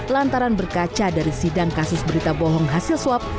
lantaran berkaca dari sidang kasus berita bohong hasil swab